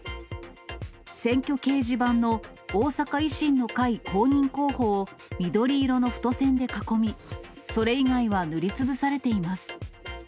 選挙掲示板の大阪維新の会公認候補を緑色の太線で囲み、それ以外は塗りつぶされています。